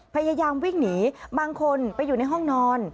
พยายามวิ่งหนีบางคนไปอยู่ในห้องนอน